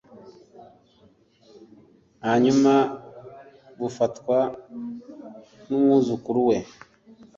hanyuma bufatwa n’umwuzukuru we